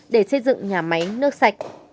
để xây dựng nhà máy nước sạch